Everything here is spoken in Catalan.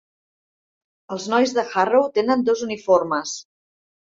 Els nois de Harrow tenen dos uniformes.